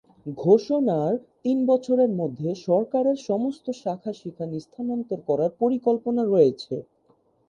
ঘোষণার তিন বছরের মধ্যে সরকারের সমস্ত শাখা সেখানে স্থানান্তর করার পরিকল্পনা রয়েছে।